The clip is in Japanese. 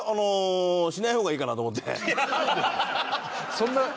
そんな。